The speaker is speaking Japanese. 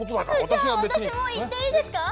じゃあ私も行っていいですか？